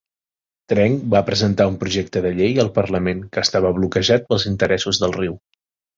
Trench va presentar un projecte de llei al Parlament que estava bloquejat pels interessos del riu.